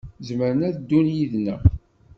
Zemrent ad ddun yid-neɣ.